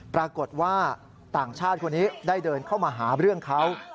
ปรากฏว่าต่างชาติคนนี้ได้เดินเข้ามาหาเรื่องเขา